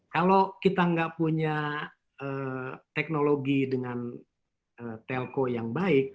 kalau kita nggak punya teknologi dengan telko yang baik